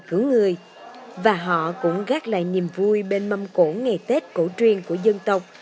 cứu người và họ cũng gác lại niềm vui bên mâm cổ ngày tết cổ truyền của dân tộc